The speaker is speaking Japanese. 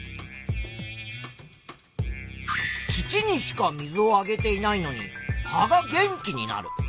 土にしか水をあげていないのに葉が元気になる。